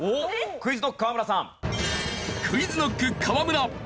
ＱｕｉｚＫｎｏｃｋ河村さん。